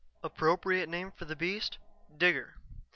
Appropriate name for the beast, Digger.